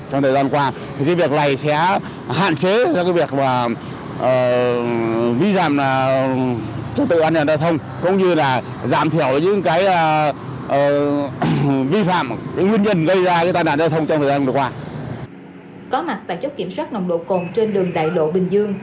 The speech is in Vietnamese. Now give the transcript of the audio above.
có mặt tại chốt kiểm soát nồng độ cồn trên đường đại lộ bình dương